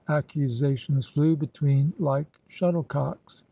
Accusations flew between like shuttlecocks.